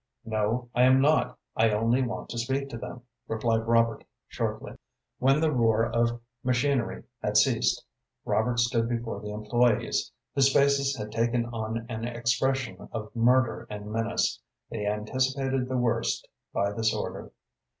"No, I am not. I only want to speak to them," replied Robert, shortly. When the roar of machinery had ceased, Robert stood before the employés, whose faces had taken on an expression of murder and menace. They anticipated the worst by this order.